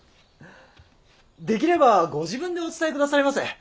できればご自分でお伝えくださいませ。